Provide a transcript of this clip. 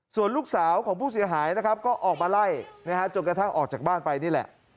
ส่วนลูกสาวของผู้เสียหายนะครับก็ออกมาไล่จนกระทั่งออกจากบ้านไปนี่แหละ